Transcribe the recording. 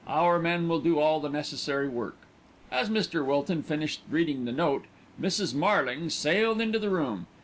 Our men will do all the necessary work." As Mr. Wilton finished reading the note, Mrs. Marlings sailed into the room.